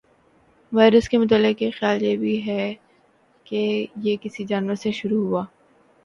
virus کے متعلق ایک خیال یہ بھی ہے کہ یہ کسی جانور سے شروع ہوا